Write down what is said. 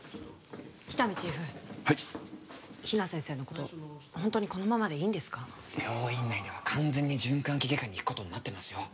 喜多見チーフはい比奈先生のことホントにこのままでいいんですか病院内では完全に循環器外科に行くことになってますよ